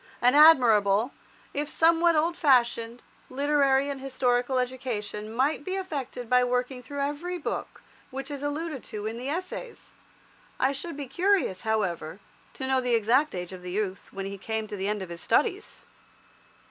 An admirable, if somewhat old fashioned, literary and historical education might be effected by working through every book which is alluded to in the Essays. I should be curious, however, to know the exact age of the youth when he came to the end of his studies.